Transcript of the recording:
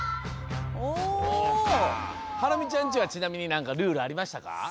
ハラミちゃんちはちなみになんかルールありましたか？